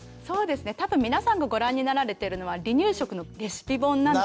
多分皆さんがご覧になられてるのは離乳食のレシピ本なので。